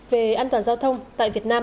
về an toàn giao thông tại việt nam